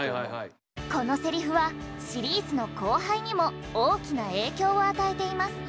このセリフはシリーズの後輩にも大きな影響を与えています。